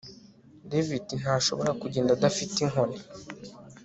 David ntashobora kugenda adafite inkoni